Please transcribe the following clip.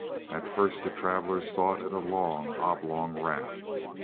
At first the travelers thought it a long, oblong raft.